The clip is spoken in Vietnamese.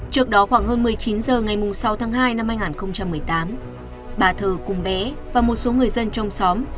trước đó khoảng hơn một mươi chín h ngày sáu tháng hai năm hai nghìn một mươi tám bà thờ cùng bé và một số người dân trong xóm